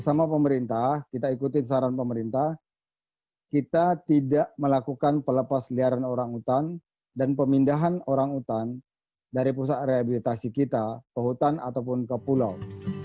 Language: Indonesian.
bersama pemerintah kita ikutin saran pemerintah kita tidak melakukan pelepas liaran orang hutan dan pemindahan orang hutan dari pusat rehabilitasi kita ke hutan ataupun ke pulau